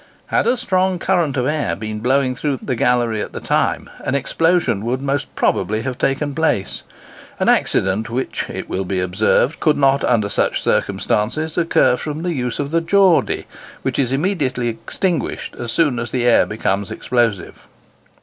Had a strong current of air been blowing through the gallery at the time, an explosion would most probably have taken place—an accident which, it will be observed, could not, under such circumstances, occur from the use of the Geordy, which is immediately extinguished as soon as the air becomes explosive.